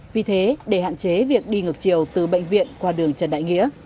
vì thế để hạn chế việc đi ngược chiều từ bệnh viện qua đường trần đại nghĩa